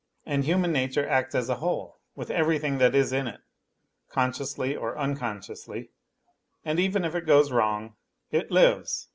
and human nature acts as a whole, with everything that is in it, consciously or unconsciously, and, even if it goes wrong, it lives.